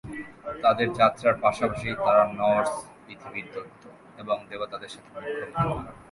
তাদের যাত্রার পাশাপাশি, তারা নর্স পৃথিবীর দৈত্য এবং দেবতাদের সাথে মুখোমুখি হন।